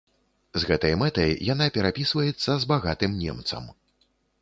З гэтай мэтай яна перапісваецца з багатым немцам.